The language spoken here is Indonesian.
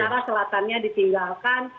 bagaian utara selatannya ditinggalkan